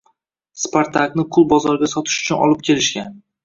Spartakni qul bozoriga sotish uchun olib kelishgan.